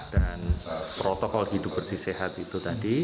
protokol hidup bersih sehat itu tadi